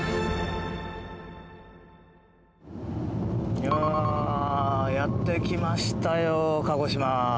いややって来ましたよ鹿児島。